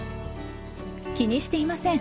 気にしていません。